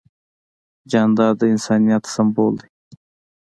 جانداد د انسانیت سمبول دی.